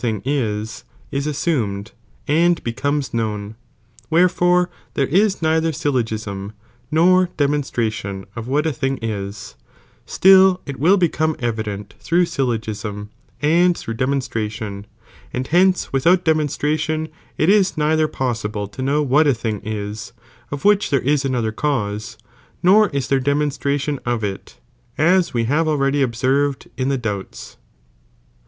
there thing IS, IS Bssumed, and becomes known, where l!^i''no'3^' fore there is neither ayUogism nor demonstration jnoniiratioB. of what a thing is, still it will become evident fcsred by both, through syllc^ism, and through demon strati on ; cr. ch. 3. g^ujj jjpjjce without demonstration it is neither possible to know what a thing is, of which there is another cause, nor is there demonstration of it, as we have already observed in the doubts.